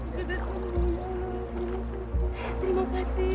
terima kasih terima kasih